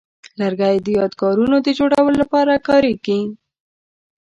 لرګی د یادګارونو د جوړولو لپاره کاریږي.